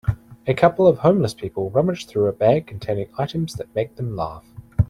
A couple of homeless people rummage through a bag containing items that make them laugh.